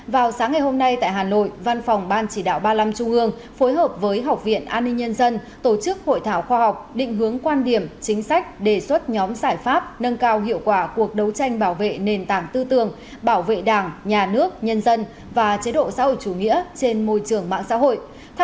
vào sáng ngày hôm nay tại hà nội văn phòng ban chỉ đạo ba mươi năm trung ương phối hợp với học viện an ninh nhân dân tổ chức hội thảo khoa học định hướng quan điểm chính sách đề xuất nhóm giải pháp nâng cao hiệu quả cuộc đấu tranh bảo vệ nền tảng tư tưởng bảo vệ đảng nhà nước nhân dân và chế độ xã hội chủ nghĩa trên môi trường mạng xã hội